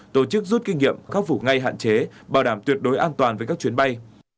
tổ chức rút kinh nghiệm khắc phục ngay hạn chế bảo đảm tuyệt đối an toàn với các chuyến bay